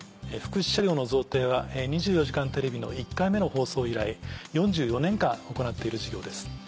福祉車両の贈呈は『２４時間テレビ』の１回目の放送以来４４年間行っている事業です。